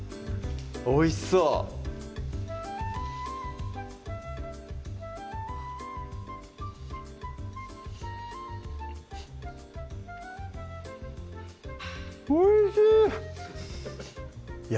おいしそうおいしい！